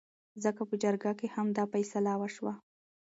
ځکه په جرګه کې هم دا فيصله وشوه